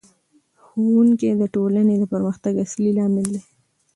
ښوونکی د ټولنې د پرمختګ اصلي لامل دی.